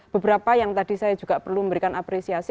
beberapa yang tadi saya juga perlu memberikan apresiasi